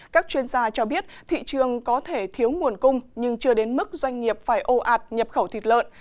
các chuyên gia cho biết thị trường có thể thiếu nguồn cung nhưng chưa đến mức doanh nghiệp phải ồ ạt nhập khẩu thịt lợn